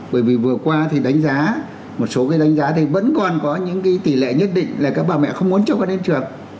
bởi vì vừa qua thì đánh giá một số cái đánh giá thì vẫn còn có những cái tỷ lệ nhất định là các bà mẹ không muốn cho con em trường